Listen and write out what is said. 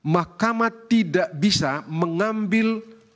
mahkamah tidak bisa mengambil